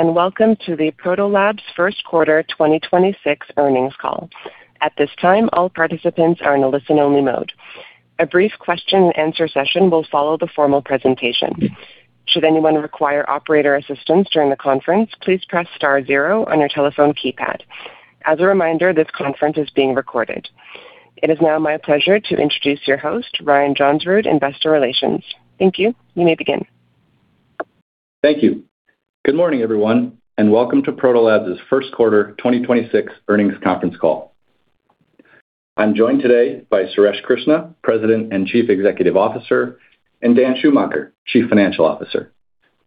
Welcome to the Protolabs First Quarter 2026 Earnings Call. At this time, all participants are in a listen-only mode. A brief question and answer session will follow the formal presentation. Should anyone require operator assistance during the conference, please press star zero on your telephone keypad. As a reminder, this conference is being recorded. It is now my pleasure to introduce your host, Ryan Johnsrud, Investor Relations. Thank you. You may begin. Thank you. Good morning, everyone, and welcome to Protolabs first quarter 2026 earnings conference call. I'm joined today by Suresh Krishna, President and Chief Executive Officer, and Dan Schumacher, Chief Financial Officer.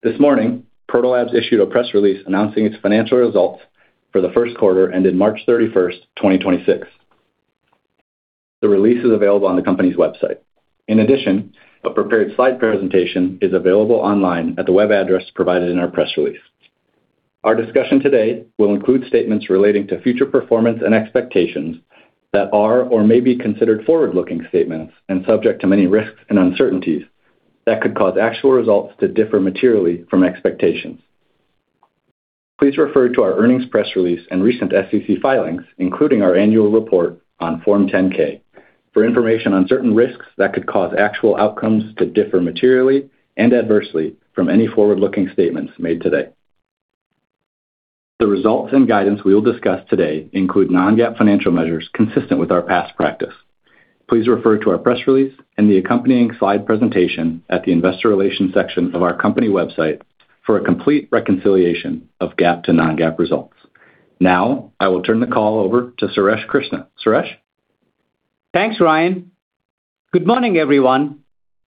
This morning, Protolabs issued a press release announcing its financial results for the 1st quarter ended March 31st, 2026. The release is available on the company's website. In addition, a prepared slide presentation is available online at the web address provided in our press release. Our discussion today will include statements relating to future performance and expectations that are or may be considered forward-looking statements and subject to many risks and uncertainties that could cause actual results to differ materially from expectations. Please refer to our earnings press release and recent SEC filings, including our annual report on Form 10-K for information on certain risks that could cause actual outcomes to differ materially and adversely from any forward-looking statements made today. The results and guidance we will discuss today include non-GAAP financial measures consistent with our past practice. Please refer to our press release and the accompanying slide presentation at the investor relations section of our company website for a complete reconciliation of GAAP to non-GAAP results. I will turn the call over to Suresh Krishna. Suresh? Thanks, Ryan. Good morning, everyone,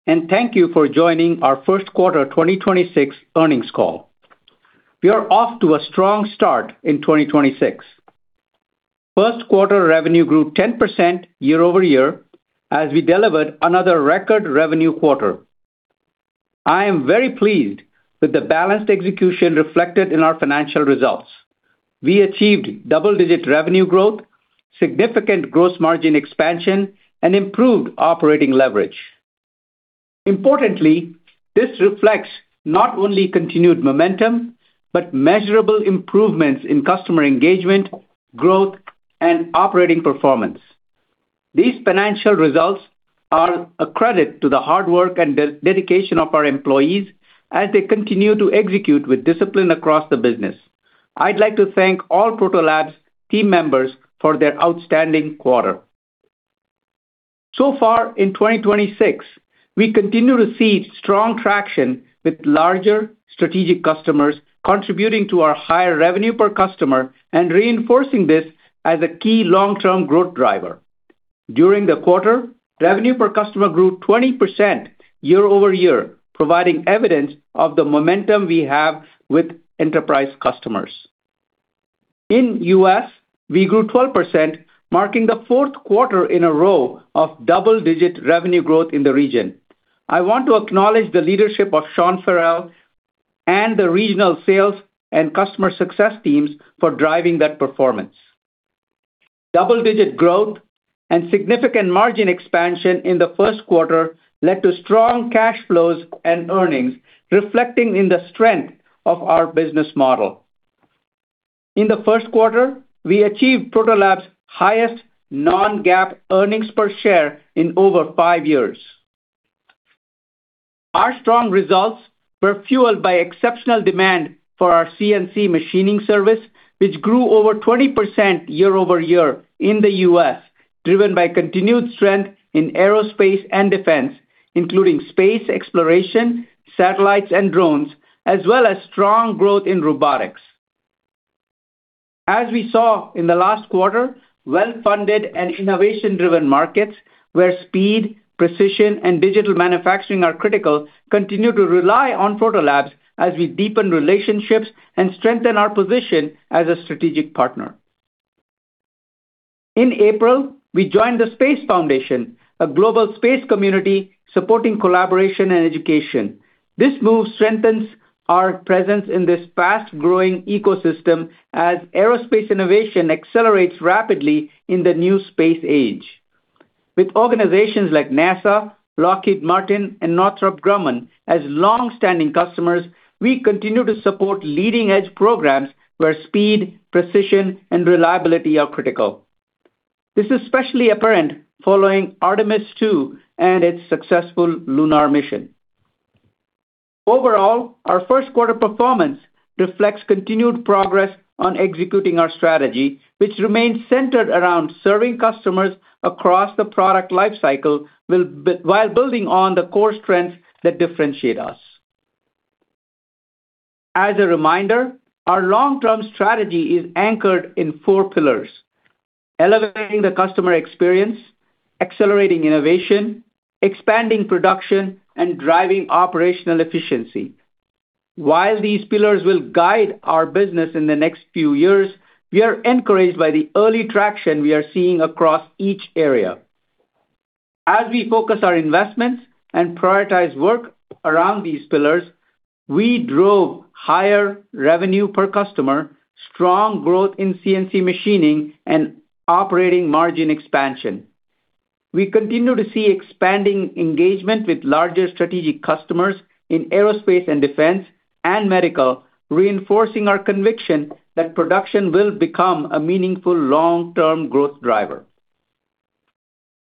and thank you for joining our first quarter 2026 earnings call. We are off to a strong start in 2026. First quarter revenue grew 10% year-over-year as we delivered another record revenue quarter. I am very pleased with the balanced execution reflected in our financial results. We achieved double-digit revenue growth, significant gross margin expansion, and improved operating leverage. Importantly, this reflects not only continued momentum, but measurable improvements in customer engagement, growth, and operating performance. These financial results are a credit to the hard work and dedication of our employees as they continue to execute with discipline across the business. I'd like to thank all Protolabs team members for their outstanding quarter. Far in 2026, we continue to see strong traction with larger strategic customers contributing to our higher revenue per customer and reinforcing this as a key long-term growth driver. During the quarter, revenue per customer grew 20% year-over-year, providing evidence of the momentum we have with enterprise customers. In U.S., we grew 12%, marking the fourth quarter in a row of double-digit revenue growth in the region. I want to acknowledge the leadership of Sean Farrell and the regional sales and customer success teams for driving that performance. Double-digit growth and significant margin expansion in the first quarter led to strong cash flows and earnings, reflecting in the strength of our business model. In the first quarter, we achieved Protolabs highest non-GAAP earnings per share in over five years. Our strong results were fueled by exceptional demand for our CNC machining service, which grew over 20% year-over-year in the U.S., driven by continued strength in aerospace and defense, including space exploration, satellites, and drones, as well as strong growth in robotics. As we saw in the last quarter, well-funded and innovation-driven markets where speed, precision, and digital manufacturing are critical continue to rely on Protolabs as we deepen relationships and strengthen our position as a strategic partner. In April, we joined the Space Foundation, a global space community supporting collaboration and education. This move strengthens our presence in this fast-growing ecosystem as aerospace innovation accelerates rapidly in the new space age. With organizations like NASA, Lockheed Martin, and Northrop Grumman as long-standing customers, we continue to support leading-edge programs where speed, precision, and reliability are critical. This is especially apparent following Artemis II and its successful lunar mission. Overall, our first quarter performance reflects continued progress on executing our strategy, which remains centered around serving customers across the product life cycle while building on the core strengths that differentiate us. As a reminder, our long-term strategy is anchored in four pillars: elevating the customer experience, accelerating innovation, expanding production, and driving operational efficiency. While these pillars will guide our business in the next few years, we are encouraged by the early traction we are seeing across each area. As we focus our investments and prioritize work around these pillars, we drove higher revenue per customer, strong growth in CNC machining, and operating margin expansion. We continue to see expanding engagement with larger strategic customers in aerospace and defense and medical, reinforcing our conviction that production will become a meaningful long-term growth driver.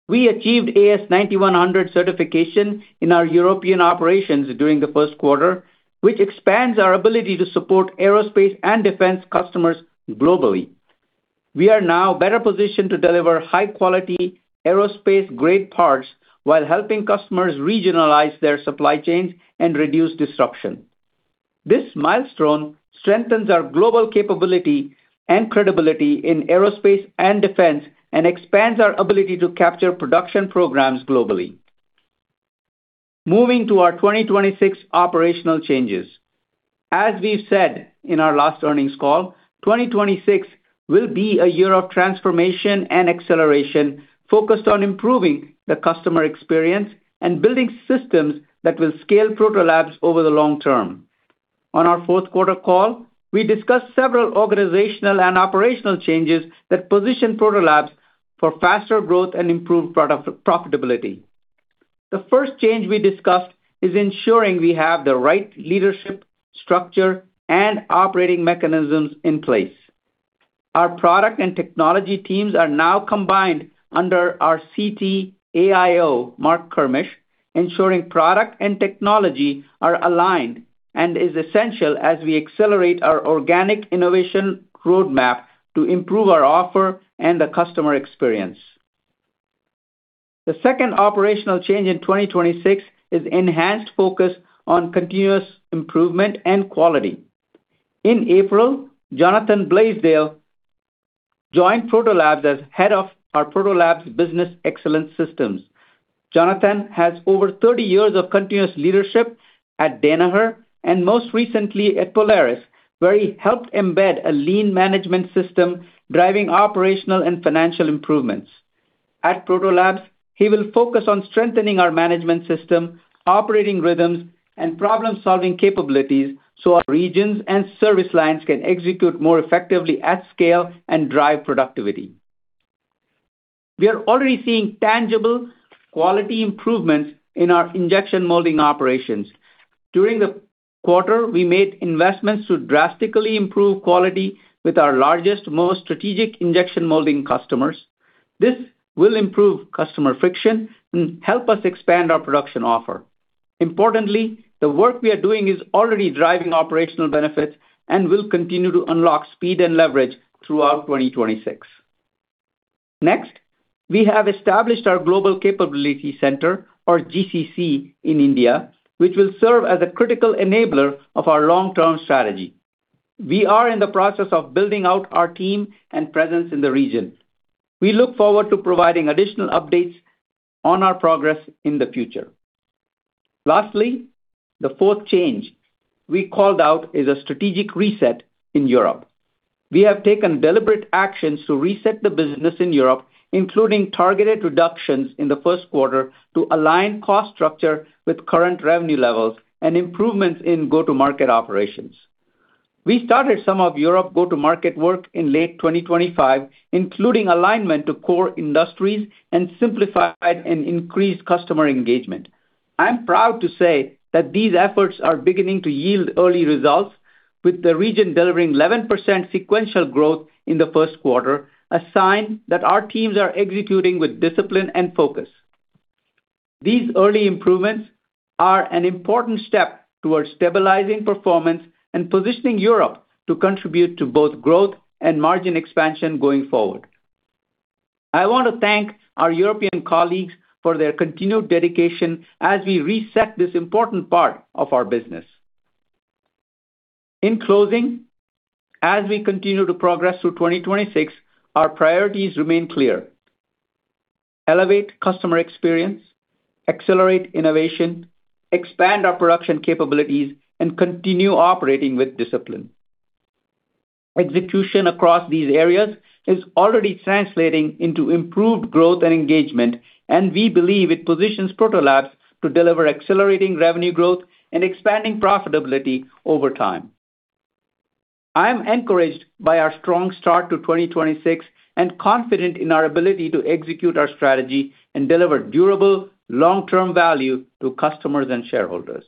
We achieved AS9100 certification in our European operations during the first quarter, which expands our ability to support aerospace and defense customers globally. We are now better positioned to deliver high-quality aerospace grade parts while helping customers regionalize their supply chains and reduce disruption. This milestone strengthens our global capability and credibility in aerospace and defense and expands our ability to capture production programs globally. Moving to our 2026 operational changes. As we've said in our last earnings call, 2026 will be a year of transformation and acceleration focused on improving the customer experience and building systems that will scale Protolabs over the long term. On our fourth quarter call, we discussed several organizational and operational changes that position Protolabs for faster growth and improved product profitability. The first change we discussed is ensuring we have the right leadership, structure, and operating mechanisms in place. Our product and technology teams are now combined under our CTAIO, Marc Kermisch, ensuring product and technology are aligned and is essential as we accelerate our organic innovation roadmap to improve our offer and the customer experience. The second operational change in 2026 is enhanced focus on continuous improvement and quality. In April, Jonathan Blasdell joined Protolabs as head of our Protolabs Business Excellence Systems. Jonathan has over 30 years of continuous leadership at Danaher and most recently at Polaris, where he helped embed a lean management system driving operational and financial improvements. At Protolabs, he will focus on strengthening our management system, operating rhythms, and problem-solving capabilities so our regions and service lines can execute more effectively at scale and drive productivity. We are already seeing tangible quality improvements in our injection molding operations. During the quarter, we made investments to drastically improve quality with our largest, most strategic injection molding customers. This will improve customer friction and help us expand our production offer. Importantly, the work we are doing is already driving operational benefits and will continue to unlock speed and leverage throughout 2026. We have established our Global Capability Center or GCC in India, which will serve as a critical enabler of our long-term strategy. We are in the process of building out our team and presence in the region. We look forward to providing additional updates on our progress in the future. The fourth change we called out is a strategic reset in Europe. We have taken deliberate actions to reset the business in Europe, including targeted reductions in the first quarter to align cost structure with current revenue levels and improvements in go-to-market operations. We started some of Europe go-to-market work in late 2025, including alignment to core industries and simplified and increased customer engagement. I'm proud to say that these efforts are beginning to yield early results, with the region delivering 11% sequential growth in the first quarter, a sign that our teams are executing with discipline and focus. These early improvements are an important step towards stabilizing performance and positioning Europe to contribute to both growth and margin expansion going forward. I want to thank our European colleagues for their continued dedication as we reset this important part of our business. In closing, as we continue to progress through 2026, our priorities remain clear. Elevate customer experience, accelerate innovation, expand our production capabilities, and continue operating with discipline. Execution across these areas is already translating into improved growth and engagement, and we believe it positions Protolabs to deliver accelerating revenue growth and expanding profitability over time. I am encouraged by our strong start to 2026 and confident in our ability to execute our strategy and deliver durable, long-term value to customers and shareholders.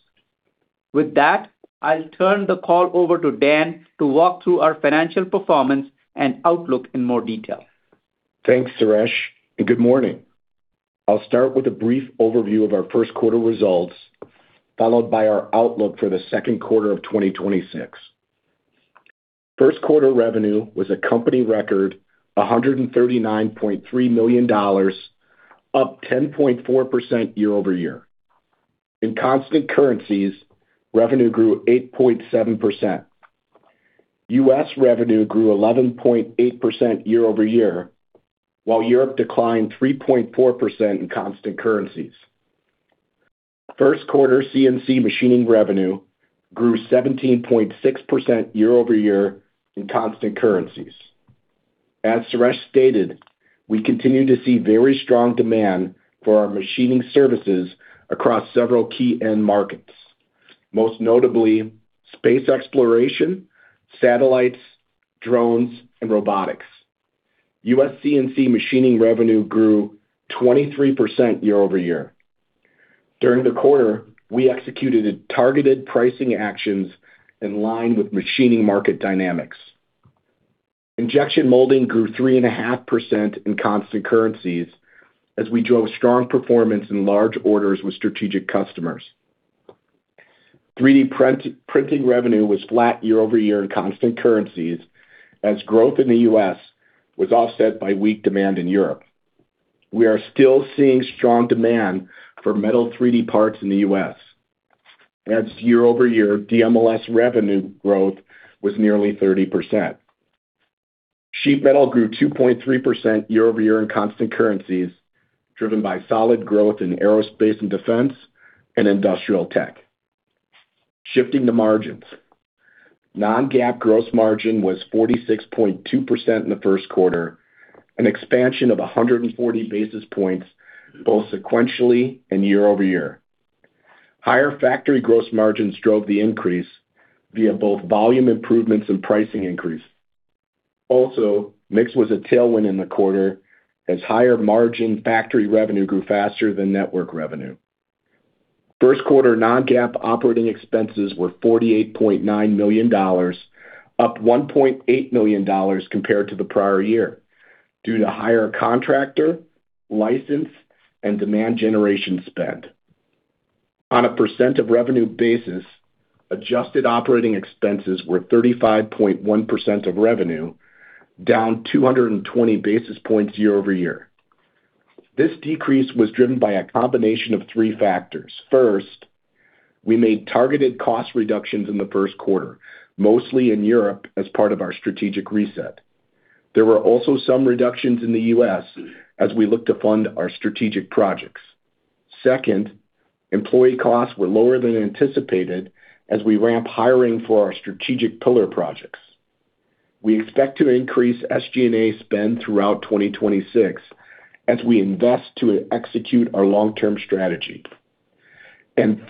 With that, I'll turn the call over to Dan to walk through our financial performance and outlook in more detail. Thanks, Suresh, and good morning. I'll start with a brief overview of our first quarter results, followed by our outlook for the second quarter of 2026. First quarter revenue was a company record, $139.3 million, up 10.4% year-over-year. In constant currencies, revenue grew 8.7%. U.S. revenue grew 11.8% year-over-year, while Europe declined 3.4% in constant currencies. First quarter CNC machining revenue grew 17.6% year-over-year in constant currencies. As Suresh stated, we continue to see very strong demand for our machining services across several key end markets. Most notably space exploration, satellites, drones, and robotics. U.S. CNC machining revenue grew 23% year-over-year. During the quarter, we executed targeted pricing actions in line with machining market dynamics. Injection molding grew 3.5% in constant currencies as we drove strong performance in large orders with strategic customers. 3D printing revenue was flat year-over-year in constant currencies as growth in the U.S. was offset by weak demand in Europe. We are still seeing strong demand for metal 3D parts in the U.S. Year-over-year DMLS revenue growth was nearly 30%. Sheet Metal grew 2.3% year-over-year in constant currencies, driven by solid growth in aerospace and defense and industrial tech. Shifting to margins. Non-GAAP gross margin was 46.2% in the first quarter, an expansion of 140 basis points both sequentially and year-over-year. Higher factory gross margins drove the increase via both volume improvements and pricing increase. Also, mix was a tailwind in the quarter as higher margin factory revenue grew faster than network revenue. First quarter non-GAAP operating expenses were $48.9 million, up $1.8 million compared to the prior year due to higher contractor, license, and demand generation spend. On a percent of revenue basis, adjusted operating expenses were 35.1% of revenue, down 220 basis points year-over-year. This decrease was driven by a combination of three factors. First, we made targeted cost reductions in the first quarter, mostly in Europe as part of our strategic reset. There were also some reductions in the U.S. as we look to fund our strategic projects. Second, employee costs were lower than anticipated as we ramp hiring for our strategic pillar projects. We expect to increase SG&A spend throughout 2026 as we invest to execute our long-term strategy.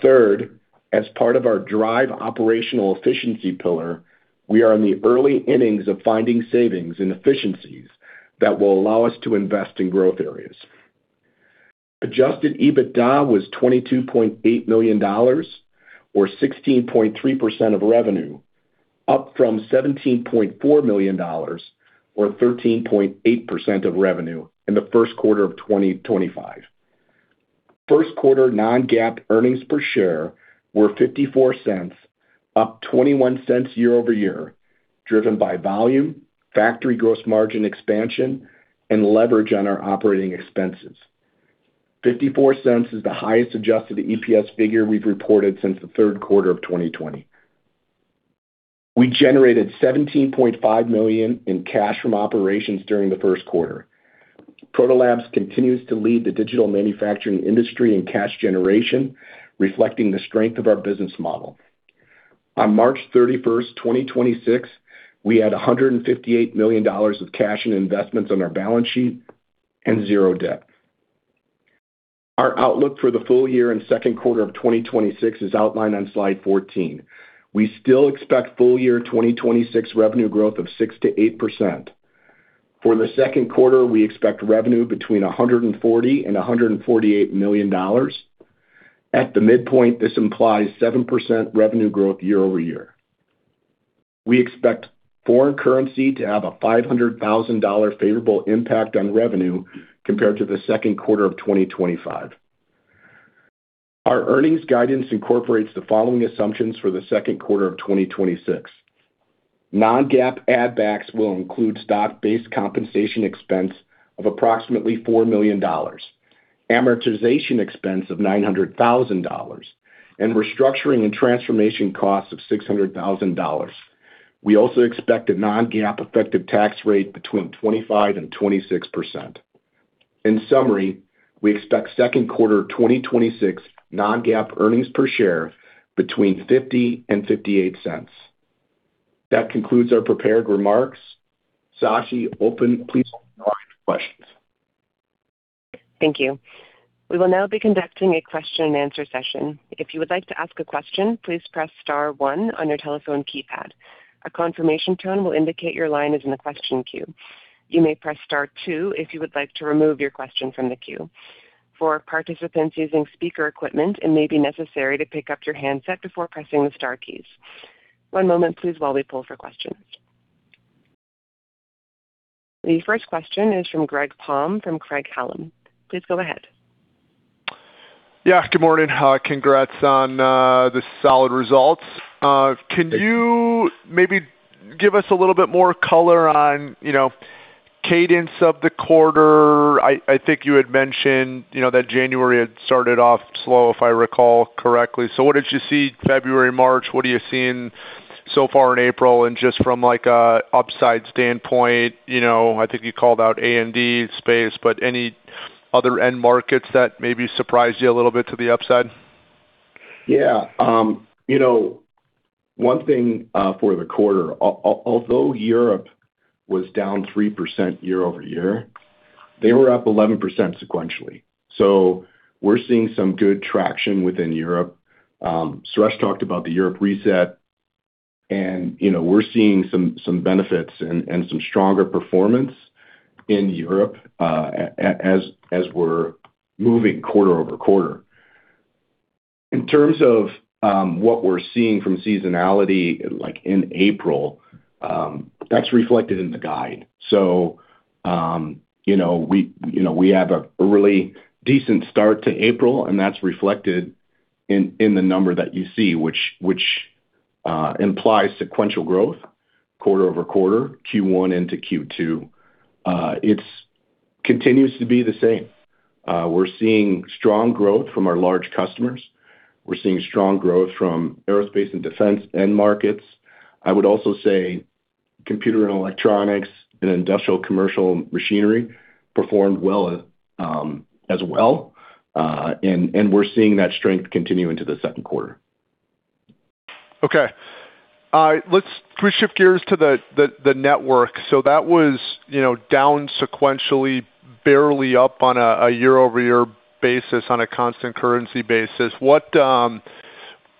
Third, as part of our drive operational efficiency pillar, we are in the early innings of finding savings and efficiencies that will allow us to invest in growth areas. Adjusted EBITDA was $22.8 million, or 16.3% of revenue, up from $17.4 million, or 13.8% of revenue in the first quarter of 2025. First quarter non-GAAP earnings per share were $0.54, up $0.21 year-over-year, driven by volume, factory gross margin expansion, and leverage on our operating expenses. $0.54 is the highest adjusted EPS figure we've reported since the third quarter of 2020. We generated $17.5 million in cash from operations during the first quarter. Protolabs continues to lead the digital manufacturing industry in cash generation, reflecting the strength of our business model. On March 31st, 2026, we had $158 million of cash and investments on our balance sheet and zero debt. Our outlook for the full year and second quarter of 2026 is outlined on slide 14. We still expect full-year 2026 revenue growth of 6%-8%. For the second quarter, we expect revenue between $140 million-$148 million. At the midpoint, this implies 7% revenue growth year-over-year. We expect foreign currency to have a $500,000 favorable impact on revenue compared to the second quarter of 2025. Our earnings guidance incorporates the following assumptions for the second quarter of 2026. Non-GAAP add backs will include stock-based compensation expense of approximately $4 million, amortization expense of $900,000, and restructuring and transformation costs of $600,000. We also expect a non-GAAP effective tax rate between 25% and 26%. In summary, we expect second quarter 2026 non-GAAP earnings per share between $0.50 and $0.58. That concludes our prepared remarks. Sashi, please open the floor for questions. Thank you. We will now be conducting a question and answer session. If you would like to ask a question, please press star one on your telephone keypad. A confirmation tone will indicate your line is in the question queue. You may press star two if you would like to remove your question from the queue. For participants using speaker equipment, it may be necessary to pick up your handset before pressing the star keys. One moment please while we pull for questions. The first question is from Greg Palm from Craig-Hallum. Please go ahead. Good morning. Congrats on the solid results. Can you maybe give us a little bit more color on, you know, cadence of the quarter? I think you had mentioned, you know, that January had started off slow, if I recall correctly. What did you see February, March? What are you seeing so far in April? Just from like a upside standpoint, you know, I think you called out A&D Space, but any other end markets that maybe surprised you a little bit to the upside? Yeah. you know, one thing for the quarter. Although Europe was down 3% year-over-year, they were up 11% sequentially. We're seeing some good traction within Europe. Suresh talked about the Europe reset and, you know, we're seeing some benefits and some stronger performance in Europe as we're moving quarter-over-quarter. In terms of what we're seeing from seasonality, like in April, that's reflected in the guide. We have a really decent start to April, and that's reflected in the number that you see, which implies sequential growth quarter-over-quarter, Q1 into Q2. It's continues to be the same. We're seeing strong growth from our large customers. We're seeing strong growth from aerospace and defense end markets. I would also say computer and electronics and industrial commercial machinery performed well, as well. We're seeing that strength continue into the second quarter. Okay. Can we shift gears to the network? That was, you know, down sequentially, barely up on a year-over-year basis on a constant currency basis.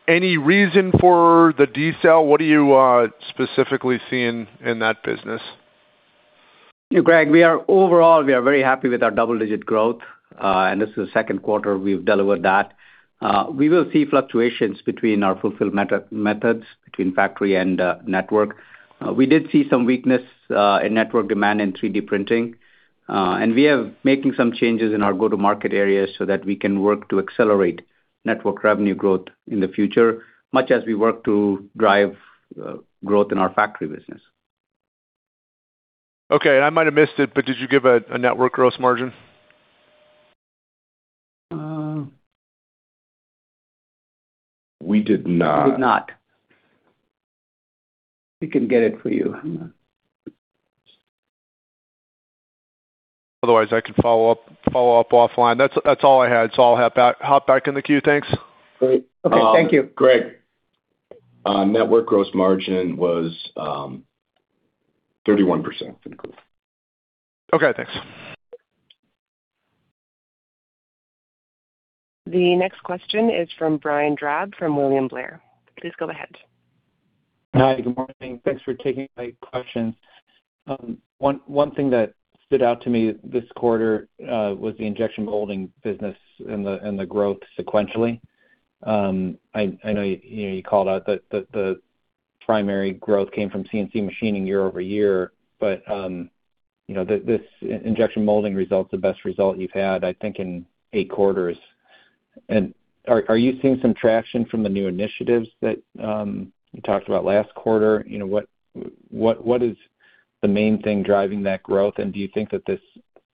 Any reason for the decel? What are you specifically seeing in that business? You know, Greg, overall, we are very happy with our double-digit growth, and this is the second quarter we've delivered that. We will see fluctuations between our fulfilled meta-methods, between factory and network. We did see some weakness in network demand in 3D printing. We are making some changes in our go-to-market areas so that we can work to accelerate network revenue growth in the future, much as we work to drive growth in our factory business. Okay. I might have missed it, but did you give a network gross margin? Um. We did not. We did not. We can get it for you, hang on. Otherwise I can follow up offline. That's all I had, so I'll hop back in the queue. Thanks. Great. Okay, thank you. Greg, Network gross margin was 31% in growth. Okay, thanks. The next question is from Brian Drab from William Blair. Please go ahead. Hi, good morning. Thanks for taking my questions. One thing that stood out to me this quarter was the injection molding business and the growth sequentially. I know you know you called out that the primary growth came from CNC machining year-over-year, but this injection molding result's the best result you've had, I think, in eight quarters. Are you seeing some traction from the new initiatives that you talked about last quarter? You know, what is the main thing driving that growth? Do you think that this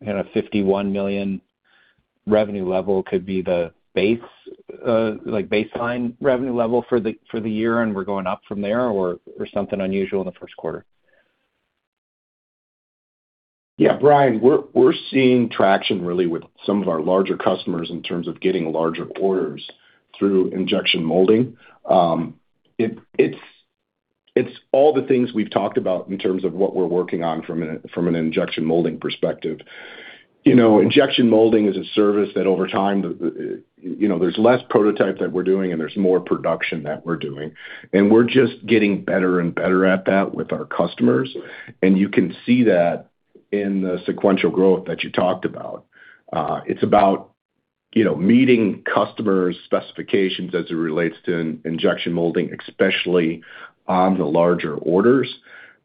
kind of $51 million revenue level could be the base, like baseline revenue level for the year and we're going up from there or something unusual in the first quarter? Yeah, Brian, we're seeing traction really with some of our larger customers in terms of getting larger orders through injection molding. It's all the things we've talked about in terms of what we're working on from an injection molding perspective. You know, injection molding is a service that over time, you know, there's less prototype that we're doing and there's more production that we're doing. We're just getting better and better at that with our customers, and you can see that in the sequential growth that you talked about. It's about, you know, meeting customers' specifications as it relates to injection molding, especially on the larger orders.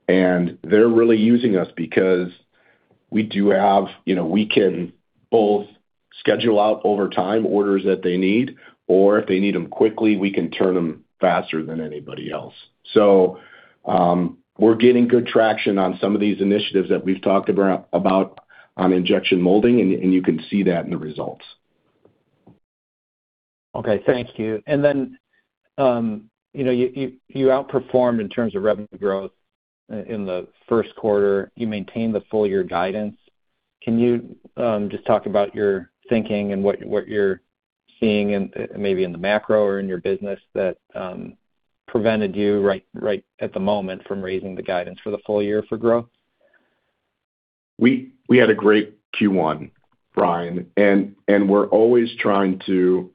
They're really using us because we do have, you know, we can both schedule out over time orders that they need, or if they need them quickly, we can turn them faster than anybody else. We're getting good traction on some of these initiatives that we've talked about on injection molding and you can see that in the results. Thank you. You know, you outperformed in terms of revenue growth in the first quarter. You maintained the full year guidance. Can you just talk about your thinking and what you're seeing in, maybe in the macro or in your business that prevented you right at the moment from raising the guidance for the full year for growth? We had a great Q1, Brian, and we're always trying to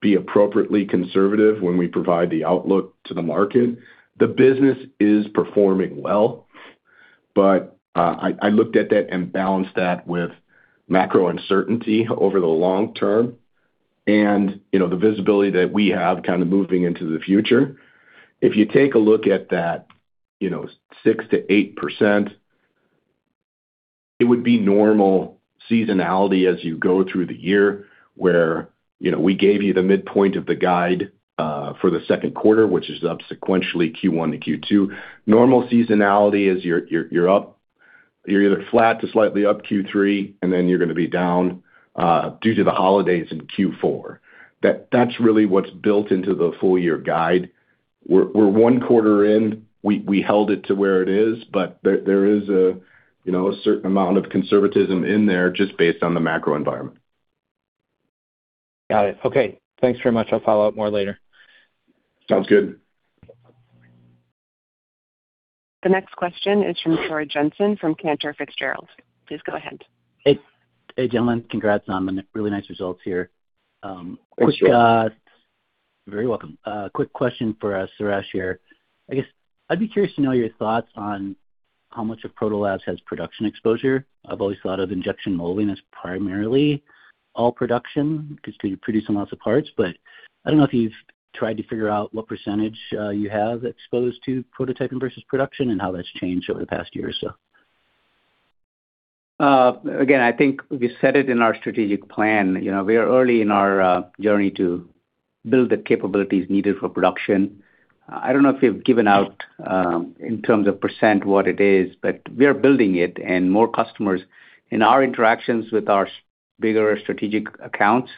be appropriately conservative when we provide the outlook to the market. The business is performing well, but, I looked at that and balanced that with macro uncertainty over the long term and, you know, the visibility that we have kind of moving into the future. If you take a look at that, you know, 6%-8%, it would be normal seasonality as you go through the year where, you know, we gave you the midpoint of the guide for the second quarter, which is up sequentially Q1 to Q2. Normal seasonality is you're up, you're either flat to slightly up Q3, and then you're gonna be down due to the holidays in Q4. That's really what's built into the full year guide. We're one quarter in. We held it to where it is, but there is a, you know, a certain amount of conservatism in there just based on the macro environment. Got it. Okay, thanks very much. I'll follow up more later. Sounds good. The next question is from Troy Jensen from Cantor Fitzgerald. Please go ahead. Hey, gentlemen. Congrats on the really nice results here. Thank you. You're very welcome. A quick question for Suresh here. I guess I'd be curious to know your thoughts on how much of Protolabs has production exposure. I've always thought of injection molding as primarily all production because you're producing lots of parts, but I don't know if you've tried to figure out what percentage you have exposed to prototyping versus production and how that's changed over the past year or so. Again, I think we said it in our strategic plan. You know, we are early in our journey to build the capabilities needed for production. I don't know if we've given out in terms of percent what it is, but we are building it. More customers, in our interactions with our bigger strategic accounts,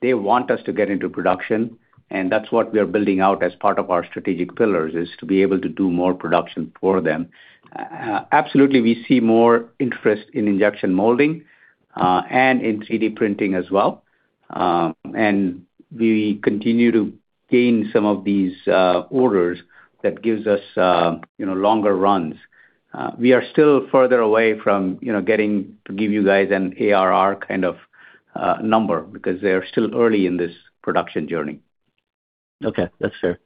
they want us to get into production, and that's what we are building out as part of our strategic pillars, is to be able to do more production for them. Absolutely, we see more interest in injection molding, and in 3D printing as well. We continue to gain some of these orders that gives us, you know, longer runs. We are still further away from, you know, getting to give you guys an ARR kind of number because we are still early in this production journey. That's fair.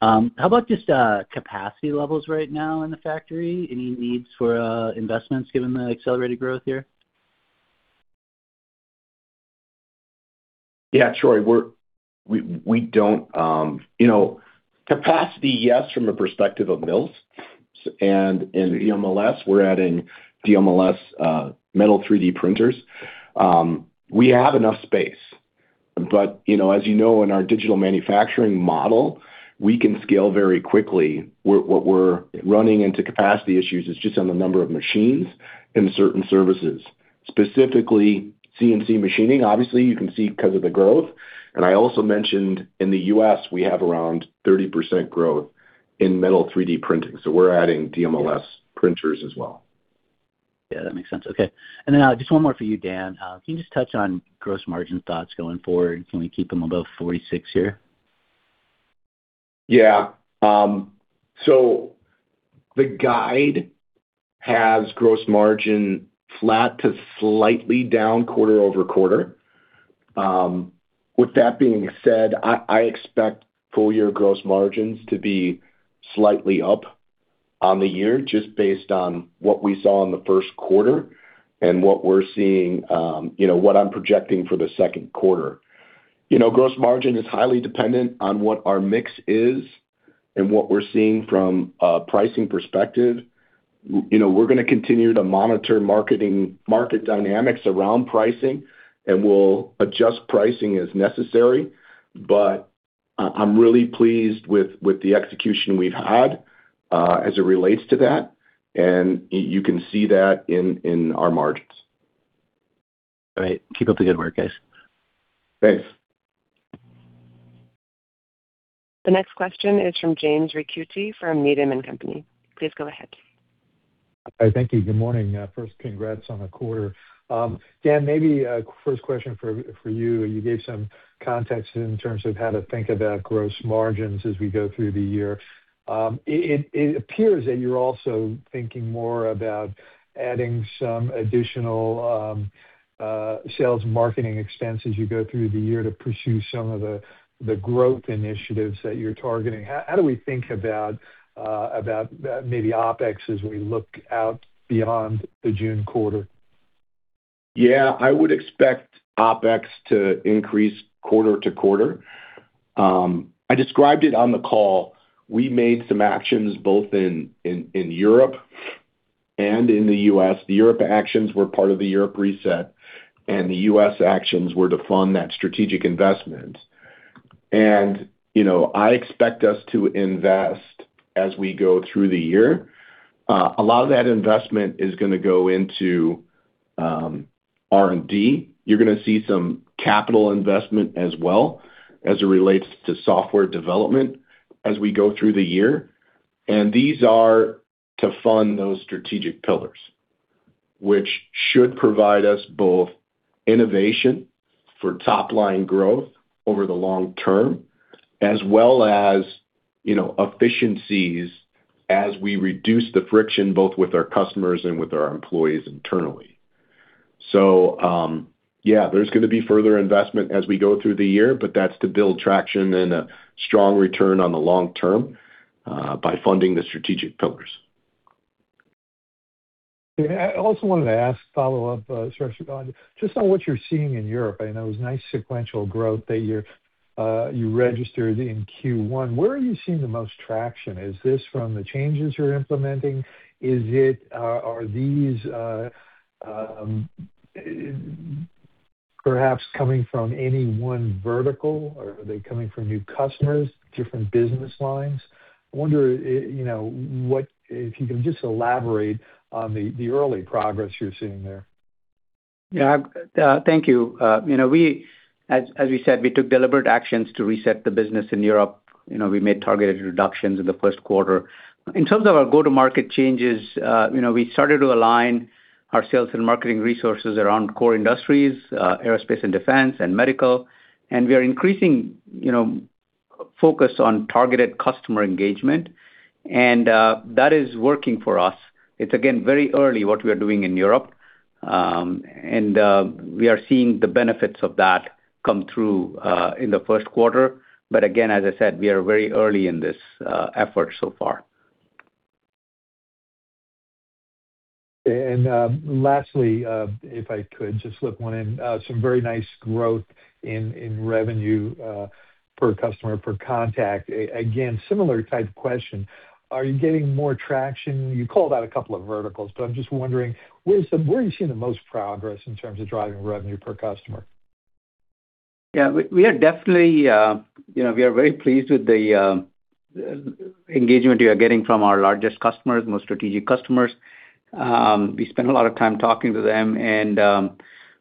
How about just capacity levels right now in the factory? Any needs for investments given the accelerated growth here? Yeah, Troy, we don't, you know, capacity, yes, from a perspective of mills and in DMLS, we're adding DMLS metal 3D printers. We have enough space. You know, as you know, in our digital manufacturing model, we can scale very quickly. What we're running into capacity issues is just on the number of machines in certain services, specifically CNC machining, obviously, you can see because of the growth. I also mentioned in the U.S., we have around 30% growth in metal 3D printing, so we're adding DMLS printers as well. Yeah, that makes sense. Okay. Just one more for you, Dan. Can you just touch on gross margin thoughts going forward? Can we keep them above 46% here? Yeah. The guide has gross margin flat to slightly down quarter-over-quarter. With that being said, I expect full year gross margins to be slightly up on the year just based on what we saw in the first quarter and what we're seeing, you know, what I'm projecting for the second quarter. You know, gross margin is highly dependent on what our mix is and what we're seeing from a pricing perspective. You know, we're gonna continue to monitor market dynamics around pricing, and we'll adjust pricing as necessary. I'm really pleased with the execution we've had as it relates to that, and you can see that in our margins. All right. Keep up the good work, guys. Thanks. The next question is from James Ricchiuti from Needham & Company. Please go ahead. Hi. Thank you. Good morning. First, congrats on the quarter. Dan, maybe a first question for you. You gave some context in terms of how to think about gross margins as we go through the year. It appears that you're also thinking more about adding some additional sales marketing expense as you go through the year to pursue some of the growth initiatives that you're targeting. How do we think about maybe OpEx as we look out beyond the June quarter? Yeah. I would expect OpEx to increase quarter-to-quarter. I described it on the call. We made some actions both in Europe and in the U.S. The Europe actions were part of the Europe reset. The U.S. actions were to fund that strategic investment. You know, I expect us to invest as we go through the year. A lot of that investment is gonna go into R&D. You're gonna see some capital investment as well as it relates to software development as we go through the year. These are to fund those strategic pillars, which should provide us both innovation for top-line growth over the long term, as well as, you know, efficiencies as we reduce the friction both with our customers and with our employees internally. Yeah, there's gonna be further investment as we go through the year, but that's to build traction and a strong return on the long term, by funding the strategic pillars. Yeah. I also wanted to ask, follow up, Suresh, if I could, just on what you're seeing in Europe. I know it was nice sequential growth that you're, you registered in Q1. Where are you seeing the most traction? Is this from the changes you're implementing? Is it, are these, perhaps coming from any one vertical or are they coming from new customers, different business lines? I wonder, you know, if you can just elaborate on the early progress you're seeing there. Yeah. Thank you. You know, as we said, we took deliberate actions to reset the business in Europe. You know, we made targeted reductions in the first quarter. In terms of our go-to-market changes, you know, we started to align our sales and marketing resources around core industries, aerospace and defense and medical, and we are increasing, you know, focus on targeted customer engagement, and that is working for us. It's again, very early what we are doing in Europe, and we are seeing the benefits of that come through in the first quarter. Again, as I said, we are very early in this effort so far. Lastly, if I could just slip one in, some very nice growth in revenue per customer, per contact. Again, similar type question, are you getting more traction? You called out a couple of verticals, but I am just wondering, where are you seeing the most progress in terms of driving revenue per customer? We are definitely, you know, we are very pleased with the engagement we are getting from our largest customers, most strategic customers. We spend a lot of time talking to them and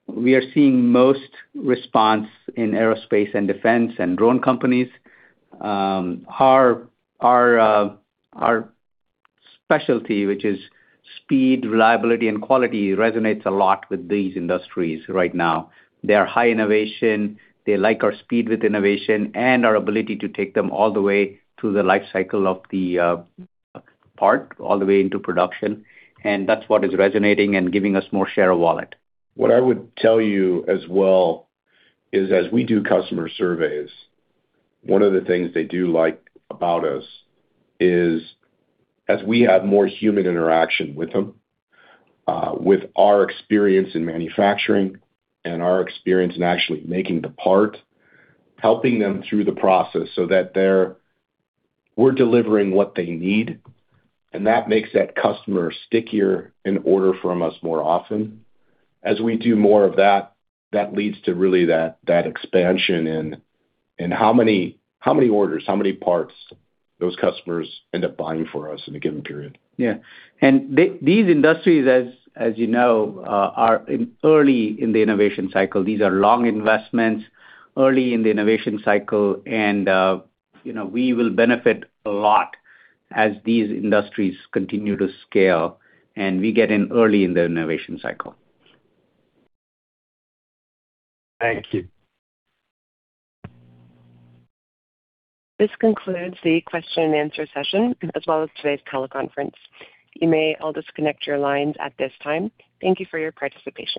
we are seeing most response in aerospace and defense and drone companies. Our specialty, which is speed, reliability, and quality, resonates a lot with these industries right now. They are high innovation, they like our speed with innovation and our ability to take them all the way through the life cycle of the part, all the way into production. That's what is resonating and giving us more share of wallet. What I would tell you as well is as we do customer surveys, one of the things they do like about us is as we have more human interaction with them, with our experience in manufacturing and our experience in actually making the part, helping them through the process so that we're delivering what they need, and that makes that customer stickier and order from us more often. As we do more of that leads to really that expansion in how many orders, how many parts those customers end up buying for us in a given period. Yeah. These industries, as you know, are in early in the innovation cycle. These are long investments, early in the innovation cycle and, you know, we will benefit a lot as these industries continue to scale, and we get in early in the innovation cycle. Thank you. This concludes the question and answer session, as well as today's teleconference. You may all disconnect your lines at this time. Thank you for your participation.